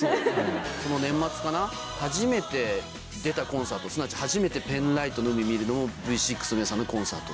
その年末かな、初めて出たコンサート、すなわち初めてペンライトの海を見るのも、Ｖ６の皆さんのコンサート。